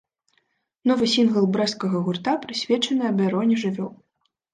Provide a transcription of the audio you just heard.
Новы сінгл брэсцкага гурта прысвечаны абароне жывёл.